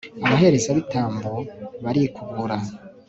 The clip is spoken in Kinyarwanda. abaherezabitambo barikubura